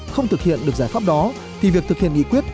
không thực hiện được giải pháp đó thì việc thực hiện nghị quyết